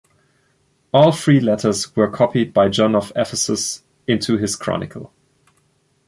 All three letters were copied by John of Ephesus into his chronicle.